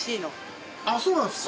あっそうなんですか？